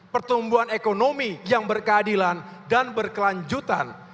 pertumbuhan ekonomi yang berkeadilan dan berkelanjutan